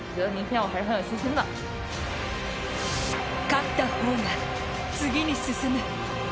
勝った方が次へ進む。